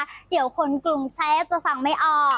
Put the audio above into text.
เดี๋ยวคนกรุงเทพจะฟังไม่ออก